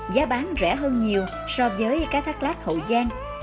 giá bán rẻ hơn nhiều so với cá thác lát hậu giang